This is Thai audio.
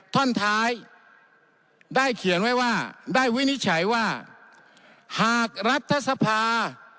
ท่อนท้ายได้เขียนไว้ว่าได้วินิจฉัยว่าหากรัฐสภา